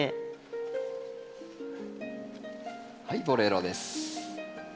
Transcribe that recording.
はいボレロです。